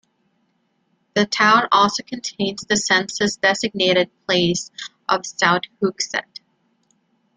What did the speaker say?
The town also contains the census-designated place of South Hooksett.